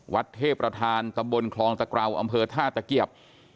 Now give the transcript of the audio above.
เทพประธานตำบลคลองตะเกราอำเภอท่าตะเกียบ